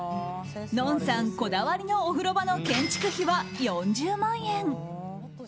ＮＯＮさんのこだわりのお風呂場の建築費は４０万円。